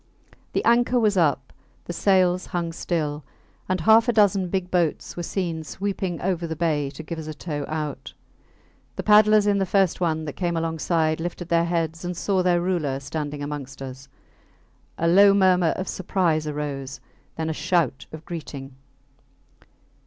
The anchor was up, the sails hung still, and half a dozen big boats were seen sweeping over the bay to give us a tow out. The paddlers in the first one that came alongside lifted their heads and saw their ruler standing amongst us. A low murmur of surprise arose then a shout of greeting.